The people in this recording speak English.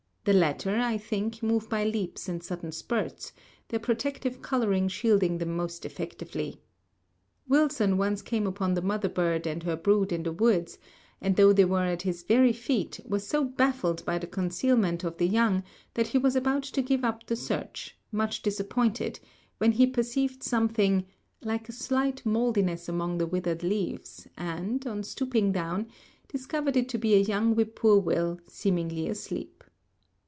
The latter, I think, move by leaps and sudden spurts, their protective coloring shielding them most effectively. Wilson once came upon the mother bird and her brood in the woods, and though they were at his very feet, was so baffled by the concealment of the young that he was about to give up the search, much disappointed, when he perceived something "like a slight moldiness among the withered leaves, and, on stooping down, discovered it to be a young whippoorwill, seemingly asleep."